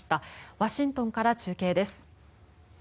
ワシントンから中継です。